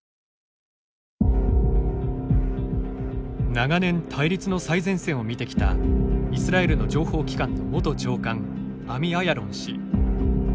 長年、対立の最前線を見てきたイスラエルの情報機関の元長官アミ・アヤロン氏。